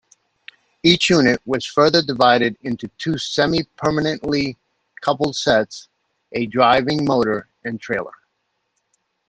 Each unit was further divided into two semi-permanently-coupled sets, a driving motor and trailer.